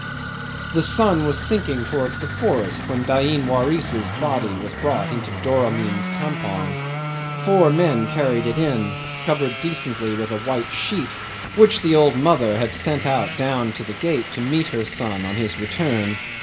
'The sun was sinking towards the forests when Dain Waris's body was brought into Doramin's campong. Four men carried it in, covered decently with a white sheet which the old mother had sent out down to the gate to meet her son on his return.